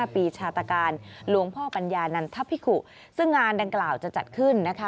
ปีชาตการหลวงพ่อปัญญานันทพิกุซึ่งงานดังกล่าวจะจัดขึ้นนะคะ